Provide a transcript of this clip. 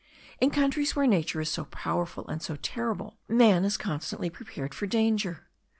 In countries where nature is so powerful and so terrible, man is constantly prepared for danger.